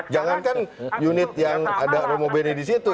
jangankan unit yang ada romo beni di situ